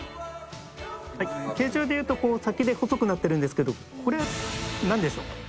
「形状でいうとこう先で細くなってるんですけどこれなんでしょうか？」